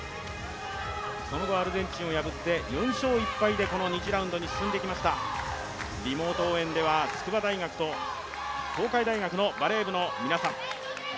その後、アルゼンチンを破って４勝１敗でこの２次ラウンドに進んできましたリモート応援では筑波大学と東海大学のバレー部の皆さん。